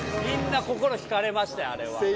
みんな心引かれましたあれは。